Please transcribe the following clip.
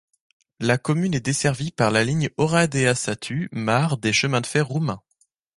La commune est desservie par la ligne Oradea-Satu Mare des Chemins de fer roumains.